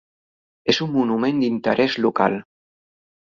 És un monument d'interés local.